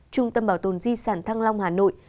trung tâm bảo tồn di sản thăng long hà nội